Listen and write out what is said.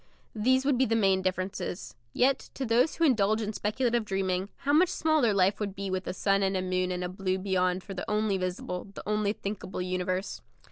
These would be the main differences. Yet, to those who indulge in speculative dreaming, how much smaller life would be with a sun and a moon and a blue beyond for the only visible, the only thinkable universe.